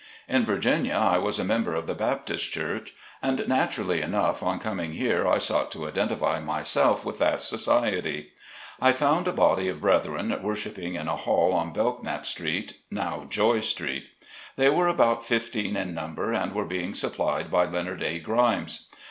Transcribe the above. In Virginia, I was a member of the Baptist Church. And naturally enough on coming here I sought to identify myself with that society. I found a body of brethren worshiping in a hall on Belknap Street, now Joy Street. They were about fifteen in number, and were being supplied by Leonard A. Grimes.